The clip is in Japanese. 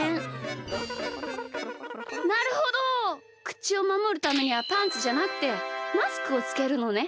くちをまもるためにはパンツじゃなくてマスクをつけるのね。